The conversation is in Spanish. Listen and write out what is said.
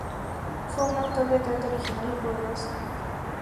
Fue un autor de teatro, original y poderoso.